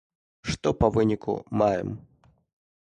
Што па выніку маем?